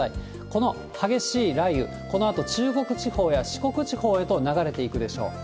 この激しい雷雨、このあと中国地方や四国地方へと流れていくでしょう。